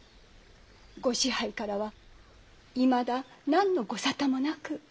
ご支配からはいまだ何のご沙汰もなく。